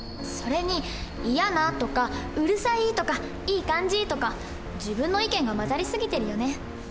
それに「イヤな」とか「うるさい」とか「いい感じ」とか自分の意見が交ざり過ぎてるよね。